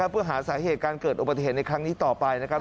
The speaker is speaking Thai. เพื่อหาสาเหตุการเกิดอุบัติเหตุในครั้งนี้ต่อไปนะครับ